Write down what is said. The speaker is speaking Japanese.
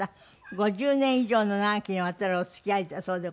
５０年以上の長きにわたるお付き合いだそうでございます。